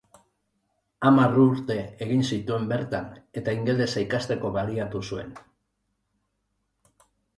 Hamar urte egin zituen bertan eta ingelesa ikasteko baliatu zuen.